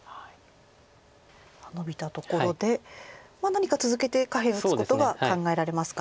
ノビたところで何か続けて下辺打つことが考えられますか。